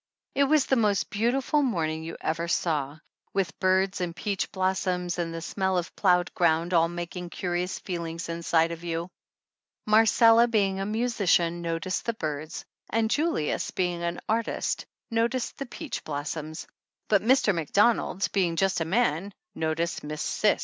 It was the most beautiful morning you ever saw, with birds and peach blossoms and the smell of plowed ground all making curious feel ings inside of you. Marcella, being a musician, noticed the birds, and Julius, being an artist, noticed the peach blossoms, but Mr. Macdonald, being just a man, noticed Miss Cis.